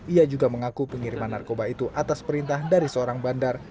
ia juga mengaku pengiriman narkoba itu atas perintah dari seorang bandar